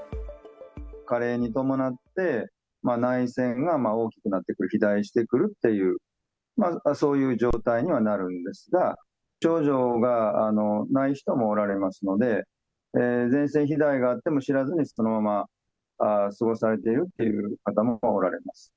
加齢に伴って内腺が大きくなってくる、肥大してくるっていう、そういう状態にはなるんですが、症状がない人もおられますので、前立腺肥大があっても、知らずにそのまま過ごされてるっていう方もおられます。